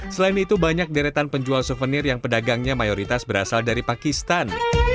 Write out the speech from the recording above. selain itu banyak deretan penjual souvenir yang pedagangnya mayoritas berasal dari pakistan